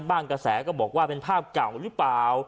กระแสก็บอกว่าเป็นภาพเก่าหรือเปล่า